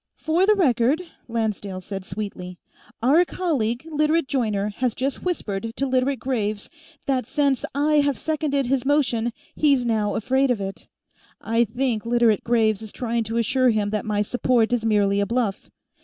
"For the record," Lancedale said sweetly, "our colleague, Literate Joyner, has just whispered to Literate Graves that since I have seconded his motion, he's now afraid of it. I think Literate Graves is trying to assure him that my support is merely a bluff.